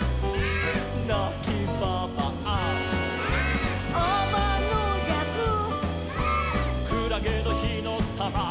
「なきばばあ」「」「あまのじゃく」「」「くらげのひのたま」「」